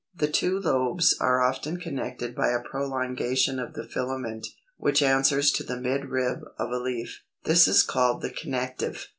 The two lobes are often connected by a prolongation of the filament, which answers to the midrib of a leaf; this is called the CONNECTIVE.